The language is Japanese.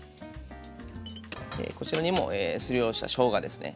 こちらにもすりおろしたしょうがですね。